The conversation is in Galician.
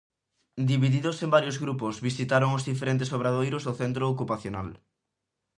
Divididos en varios grupos, visitaron os diferentes obradoiros do centro ocupacional.